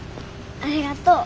ありがとう。